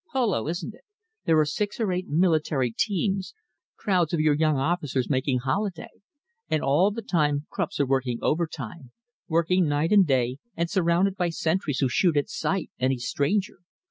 Polo, isn't it? There are six or eight military teams, crowds of your young officers making holiday. And all the time Krupps are working overtime, working night and day, and surrounded by sentries who shoot at sight any stranger.